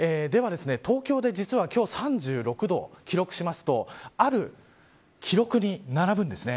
東京で実は今日３６度を記録しますとある記録に並ぶんです。